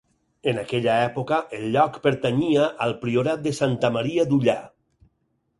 En aquella època el lloc pertanyia al priorat de Santa Maria d'Ullà.